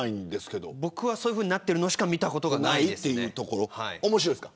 僕はそういうふうになってるのしか面白いですか。